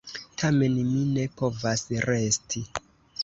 Tamen mi ne povas resti.